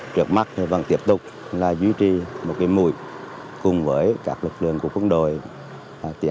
trước mắt vẫn tiếp tục là duy trì một mũi cùng với các lực lượng của quân đội